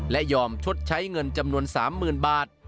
และยอมชดใช้เงินจำนวน๓๐๐๐บาท